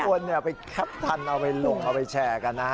แต่คุณเนี่ยไปแคปทันเอาลงเอาไปแชร์กันนะฮะ